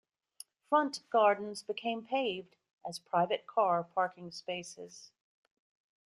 Front gardens became paved as private car parking spaces.